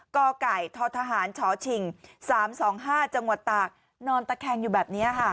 กไก่ททหารชชิงสามสองห้าจังหวัดตากนอนตะแคงอยู่แบบเนี้ยฮะ